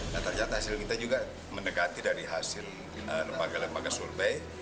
dan ternyata hasil kita juga mendekati dari hasil lembaga lembaga survei